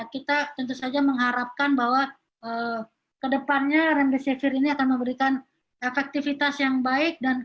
kita tentu saja mengharapkan bahwa kedepannya remdesivir ini akan memberikan efektivitas yang baik